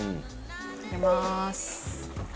入れまーす。